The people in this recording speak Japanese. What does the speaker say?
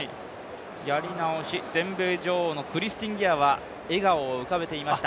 やり直し、全米女王のクリスティン・ギアは笑顔が見えました。